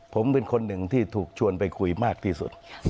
ผมเป็นคนหนึ่งที่ถูกชวนไปคุยมากที่สุด